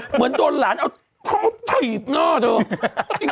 เหมือนโดนหลานเอาเท้าถีบหน้าดู